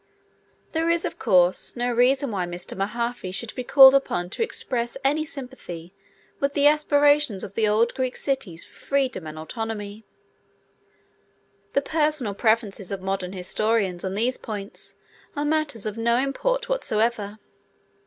There is, of course, no reason why Mr. Mahaffy should be called upon to express any sympathy with the aspirations of the old Greek cities for freedom and autonomy. The personal preferences of modern historians on these points are matters of no import whatsoever.